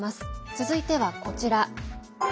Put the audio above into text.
続いては、こちら。